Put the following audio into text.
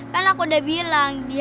kan aku udah bilang